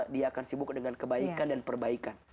dia akan sibuk dengan kebaikan dan perbaikan